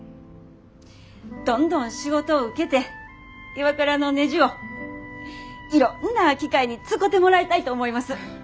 どんどん仕事を受けてＩＷＡＫＵＲＡのねじをいろんな機械に使てもらいたいと思います。